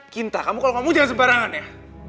kinta kamu kalau ngomong jangan sembarangan ya